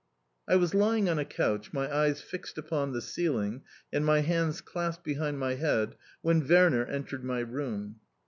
I was lying on a couch, my eyes fixed upon the ceiling and my hands clasped behind my head, when Werner entered my room.